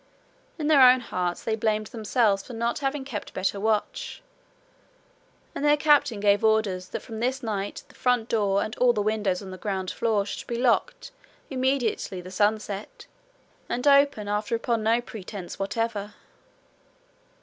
In their own hearts they blamed themselves for not having kept better watch. And their captain gave orders that from this night the front door and all the windows on the ground floor should be locked immediately the sun set, and opened after upon no pretence whatever.